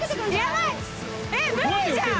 やばいえっ無理じゃん